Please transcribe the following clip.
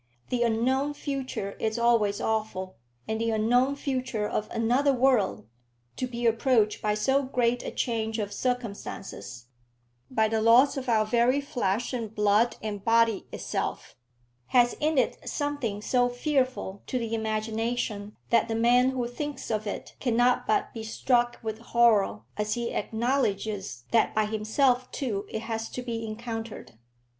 The unknown future is always awful; and the unknown future of another world, to be approached by so great a change of circumstances, by the loss of our very flesh and blood and body itself, has in it something so fearful to the imagination that the man who thinks of it cannot but be struck with horror as he acknowledges that by himself too it has to be encountered.